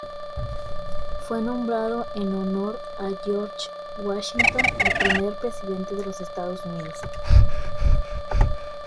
Fue nombrado en honor a George Washington, el primer Presidente de los Estados Unidos.